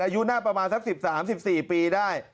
อายุหน้าประมาณสัก๑๓๑๔ปีได้